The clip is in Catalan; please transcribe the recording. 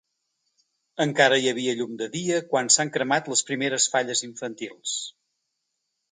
Encara hi havia llum de dia, quan s’han cremat les primeres falles infantils.